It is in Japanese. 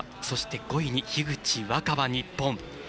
そして、５位に樋口新葉、日本。